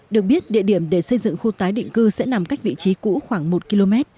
được biết địa điểm để xây dựng khu tái định cư sẽ nằm cách vị trí cũ khoảng một km